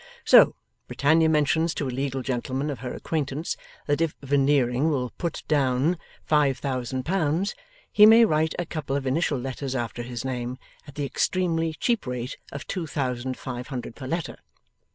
So, Britannia mentions to a legal gentleman of her acquaintance that if Veneering will 'put down' five thousand pounds, he may write a couple of initial letters after his name at the extremely cheap rate of two thousand five hundred per letter.